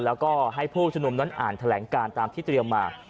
แล้วก็ให้ผู้ชมนุมนั้นอ่านแถลงการตามที่เตรียมมา